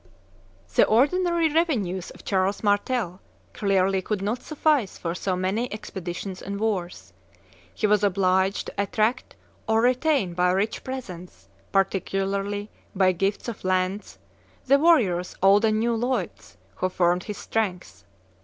The ordinary revenues of Charles Martel clearly could not suffice for so many expeditions and wars. He was obliged to attract or retain by rich presents, particularly by gifts of lands, the warriors, old and new "leudes," who formed his strength.